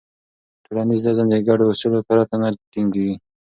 ټولنیز نظم د ګډو اصولو پرته نه ټینګېږي.